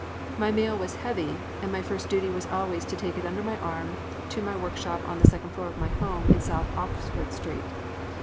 My mail was heavy, and my first duty was always to take it under my arm to my workshop on the second floor of my home in South Oxford Street.